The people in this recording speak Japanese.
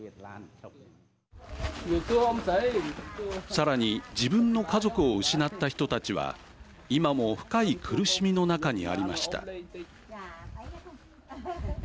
さらに自分の家族を失った人たちは今も深い苦しみの中にありました。